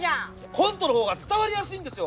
コントの方が伝わりやすいんですよ！